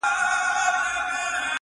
چېرته به د سوي میني زور وینو!!